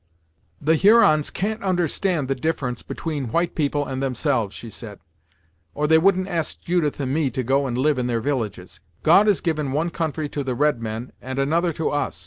"The Hurons can't understand the difference between white people and themselves," she said, "or they wouldn't ask Judith and me to go and live in their villages. God has given one country to the red men and another to us.